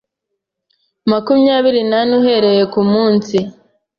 makumyabiri n ane uhereye ku munsi